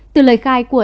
từ lời khai của